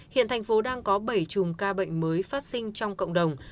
hiện thành phố đang có bảy chùm ca bệnh mới phát sinh trong cộng đồng